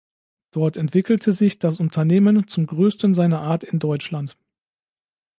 Dort entwickelte sich das Unternehmen zum Größten seiner Art in Deutschland.